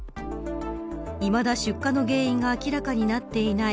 いまだ出火の原因が明らかになっていない